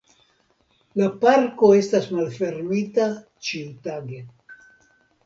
La parko estas malfermita ĉiutage.